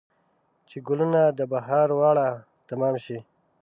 چې ګلونه د بهار واړه تمام شي